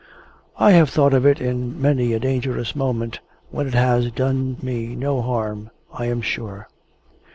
I have thought of it in many a dangerous moment, when it has done me no harm, I am sure.